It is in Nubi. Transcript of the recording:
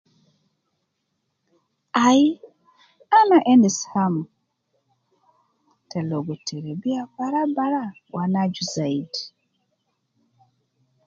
Aii, ana ebdis ham te ligo terebiya barau barau wu ana aju zaidi